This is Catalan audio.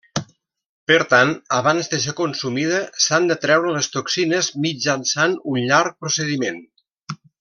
Per tant abans de ser consumida s'han de treure les toxines mitjançant un llarg procediment.